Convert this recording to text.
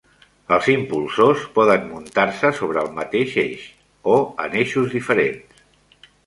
Els impulsors poden muntar-se sobre el mateix eix, o en eixos diferents.